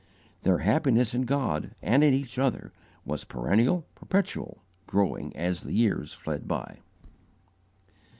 Their happiness in God and in each other was perennial, perpetual, growing as the years fled by.